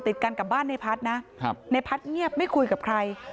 ติดกันกับบ้านในพัฒน์นะในพัฒน์เงียบไม่คุยกับใคร